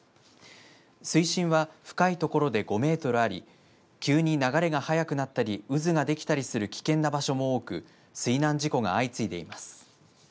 水深は深い所で５メートルあり急に流れが速くなったり渦ができたりする危険な場所も多く水難事故が相次いでいます。